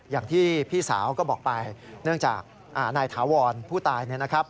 อย่างที่พี่สาวก็บอกไปเนื่องจากนายถาวรผู้ตายเนี่ยนะครับ